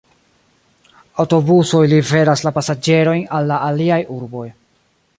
Aŭtobusoj liveras la pasaĝerojn al la aliaj urboj.